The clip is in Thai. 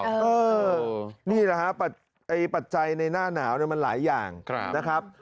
เออนี่แหละฮะปัจจัยในหน้าหนาวมันหลายอย่างนะครับ